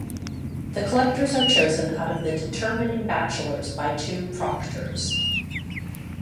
The collectors are chosen out of the determining bachelors by the two proctors.